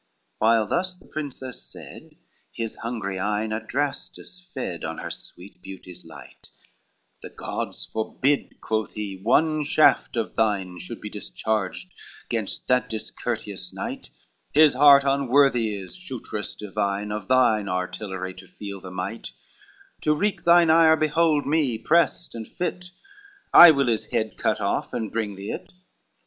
XLIX While thus the princess said, his hungry eyne Adrastus fed on her sweet beauty's light, "The gods forbid," quoth he, "one shaft of thine Should be discharged gainst that discourteous knight, His heart unworthy is, shootress divine, Of thine artillery to feel the might; To wreak thine ire behold me prest and fit, I will his head cut off, and bring thee it.